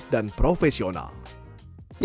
dan juga berpengalaman secara profesional